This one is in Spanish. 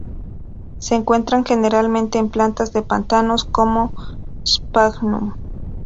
Se encuentran generalmente en plantas de pantanos, como "Sphagnum".